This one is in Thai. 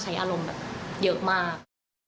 ใช้อารมณ์แบบเยอะมาก